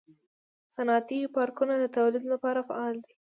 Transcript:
صنعتي پارکونه د تولید لپاره فعال وي.